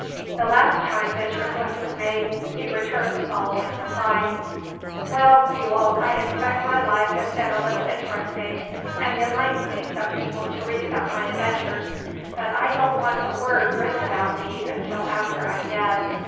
The last time this request was made, he returned the following reply: "Well, Buel, I expect my life has been a little interesting, and it might please some people to read about my adventures, but I don't want a word written about me until after I'm dead.